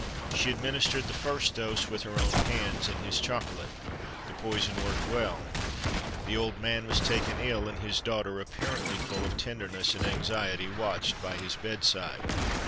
She administered the first dose with her own hands, in his chocolate. The poison worked well. The old man was taken ill, and his daughter, apparently full of tenderness and anxiety, watched by his bedside.